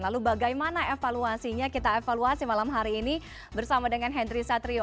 lalu bagaimana evaluasinya kita evaluasi malam hari ini bersama dengan henry satrio